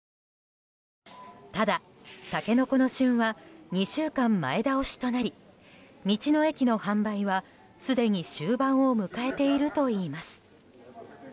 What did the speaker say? ただ、タケノコの旬は２週間前倒しとなり道の駅の販売は、すでに終盤を迎えているといいます。